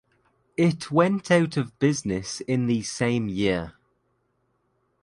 It went out of business in the same year.